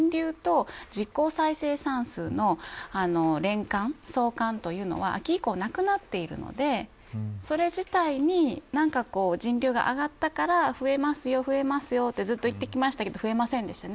さらに人流と実効再生産数の相関というのは秋以降なくなっているのでそれ自体に人流が上がったから増えますよ、増えますよってずっと言ってきましたけど増えませんでしたよね。